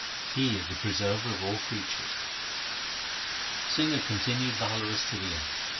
He is the Preserver of all creatures. Singha continued valorous to the last.